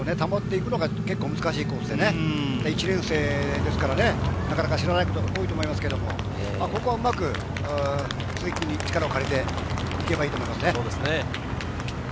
ペースを保っていくのが難しいコースでね、１年生ですからね、なかなか知らないことが多いと思いますけど、ここはうまく鈴木君に力を借りていけばいいと思いますね。